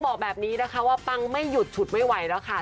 บอกแบบนี้นะคะว่าปังไม่หยุดฉุดไม่ไหวแล้วค่ะ